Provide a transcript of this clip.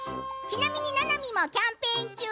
ちなみにななみもキャンペーン中。